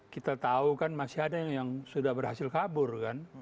kita tahu kan masih ada yang sudah berhasil kabur kan